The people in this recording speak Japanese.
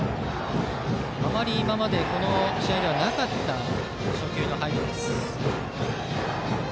あまり今までこの試合ではなかった初球の入りです。